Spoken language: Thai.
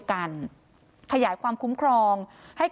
ก็คือรักษาตัวอยู่ที่บ้าน